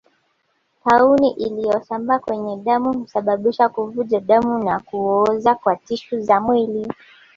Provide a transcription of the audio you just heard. Tauni inayosambaa kwenye damu husababisha kuvuja damu na kuoza kwa tishu za mwili